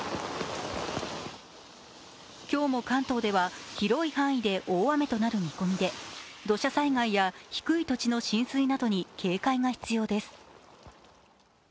今日も関東では広い範囲で大雨となる見込みで土砂災害や低い土地の浸水などに警戒が必要です。